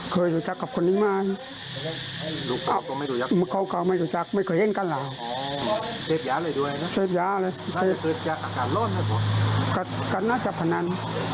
กันหน้าจับพนัน